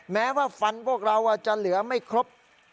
แม้ว่าฟันพวกเราจะเหลือไม่ครบ